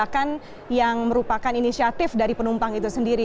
sebenarnya ini adalah sebuah tindakan yang merupakan inisiatif dari penumpang itu sendiri